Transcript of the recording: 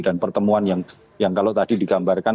pertemuan yang kalau tadi digambarkan